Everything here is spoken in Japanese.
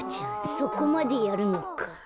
そこまでやるのか。